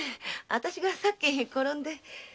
私がさっき転んで。